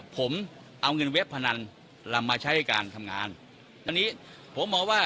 ผมเอาเงินเว็บพนันลำมาใช้การทำงานอันนี้ผมมองว่า